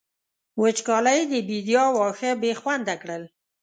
وچکالۍ د بېديا واښه بې خونده کړل.